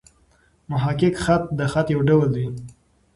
محقق خط؛ د خط یو ډول دﺉ.